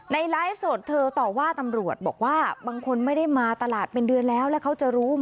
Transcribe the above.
ไลฟ์สดเธอต่อว่าตำรวจบอกว่าบางคนไม่ได้มาตลาดเป็นเดือนแล้วแล้วเขาจะรู้